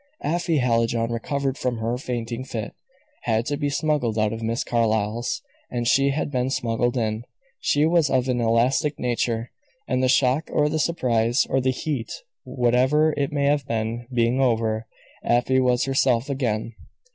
Afy Hallijohn, recovered from her fainting fit, had to be smuggled out of Miss Carlyle's, as she had been smuggled in. She was of an elastic nature, and the shock, or the surprise, or the heat, whatever it may have been, being over, Afy was herself again.